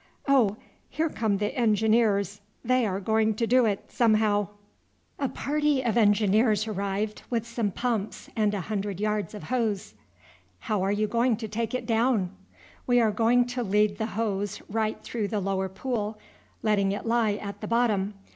Oh, here come the Engineers; they are going to do it somehow." [Illustration: AT THE WELLS OF GAKDUL.] A party of Engineers arrived with some pumps and a hundred yards of hose. "How are you going to take it down?" "We are going to lead the hose right through the lower pool, letting it lie at the bottom.